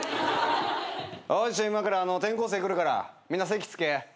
よし今から転校生来るからみんな席着け。